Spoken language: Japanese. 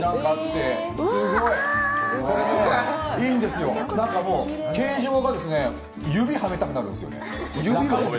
これいいんですよ、形状が指はめたくなるんですよ。